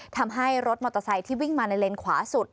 ทำให้รถมอเตอร์ไซค์ที่วิ่งมาในเลนขวาสุด